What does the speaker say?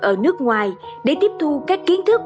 ở nước ngoài để tiếp thu các kiến thức